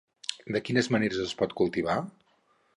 De quines maneres es pot cultivar?